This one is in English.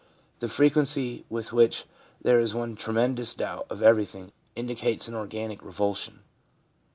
The frequency with which there is one tremendous doubt of ' everything ' indicates an organic revulsion.